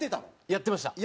やってました。